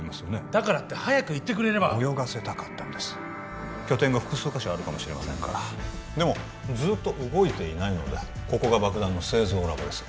だからって早く言ってくれれば泳がせたかったんです拠点が複数箇所あるかもしれませんからでもずーっと動いていないのでここが爆弾の製造ラボです